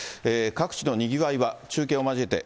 各地の賑わいは、中継を交えて。